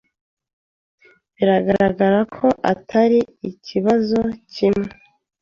Biragaragara ko atari ikibazo kimwe.